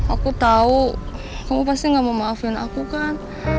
aku tahu kamu pasti gak mau maafin aku kan